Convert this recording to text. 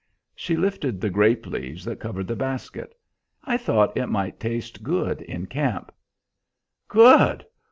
She lifted the grape leaves that covered the basket. "I thought it might taste good in camp." "Good!